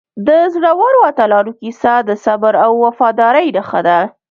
د زړورو اتلانو کیسه د صبر او وفادارۍ نښه ده.